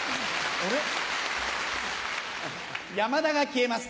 ⁉山田が消えます。